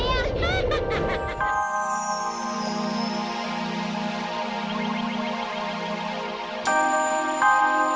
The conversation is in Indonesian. ya aku sudah selesai menemukan kita